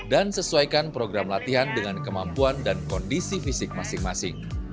dan sesuaikan program latihan dengan kemampuan dan kondisi fisik masing masing